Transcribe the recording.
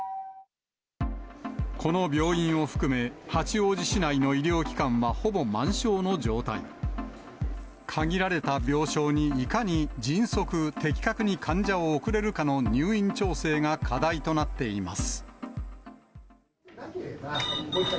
この病院を含め、八王子市内の医療機関は、ほぼ満床の状態。限られた病床にいかに迅速、的確に患者を送れるかの入院調整が課題となっています。